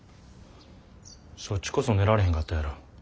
そっちこそ寝られへんかったやろ。